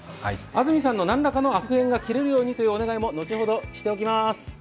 安住さんの悪い縁が切れるようにというお願いも後ほどしておきます。